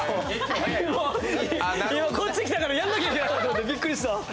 こっち来たからやらなきゃいけないかと思ってびっくりした。